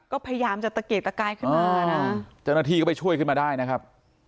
ก็พยายามจะตะเกียกตะกายขึ้นมานะเจ้าหน้าที่ก็ไปช่วยขึ้นมาได้นะครับ